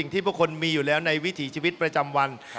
ที่พวกคนมีอยู่แล้วในวิถีชีวิตประจำวัน